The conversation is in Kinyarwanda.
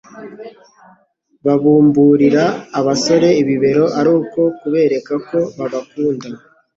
babumburira abasore ibibero aruko kubereka ko babakunda.